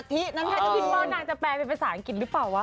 ถ้าคิดว่านางจะแปลเป็นภาษาอังกฤษหรือเปล่าวะ